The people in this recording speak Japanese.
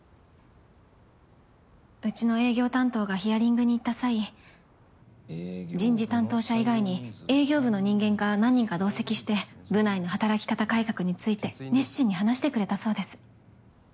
うちの営業担当がヒアリングに行った際人事担当者以外に営業部の人間が何人か同席して部内の働き方改革について熱心に話してくれたそうです。